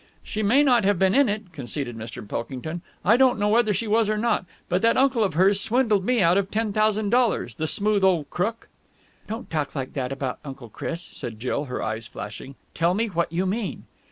"She may not have been in it," conceded Mr. Pilkington. "I don't know whether she was or not. But that uncle of hers swindled me out of ten thousand dollars! The smooth old crook!" "Don't talk like that about Uncle Chris!" said Jill, her eyes flashing. "Tell me what you mean."